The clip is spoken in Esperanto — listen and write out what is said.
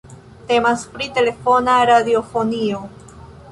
Temas pri telefona radiofonio.